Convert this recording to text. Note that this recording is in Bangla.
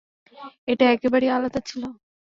এটা একেবারেই আলাদা ছিল।